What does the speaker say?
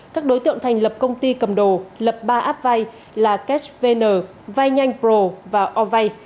các đối tượng thành lập công ty cầm đồ lập ba app vay là cashvn vaynhanhpro và ovay